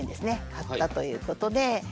買ったということで。